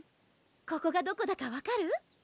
ここがどこだか分かる？